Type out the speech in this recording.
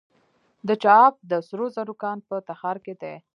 د چاه اب د سرو زرو کان په تخار کې دی.